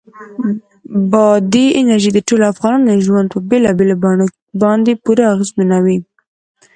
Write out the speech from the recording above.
بادي انرژي د ټولو افغانانو ژوند په بېلابېلو بڼو باندې پوره اغېزمنوي.